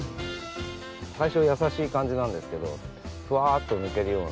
最初は優しい感じなんですけどふわっと抜けるような。